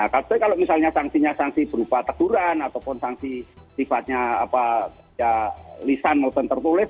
kalau misalnya sanksinya sanksi berupa terturan ataupun sanksi sifatnya apa ya lisan mau tentu terkulis